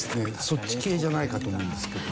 そっち系じゃないかと思うんですけど。